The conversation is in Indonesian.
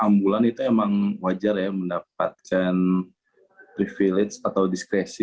ambulan itu emang wajar ya mendapatkan privilege atau diskresi